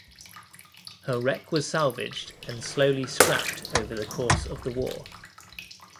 Her wreck was salvaged and slowly scrapped over the course of the war.